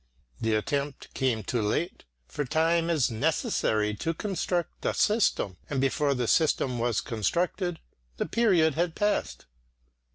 The attempt came too late, for time is necessary to construct a system, and before the system was constructed, the period had passed.